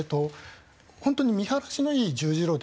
本当に見晴らしのいい十字路で。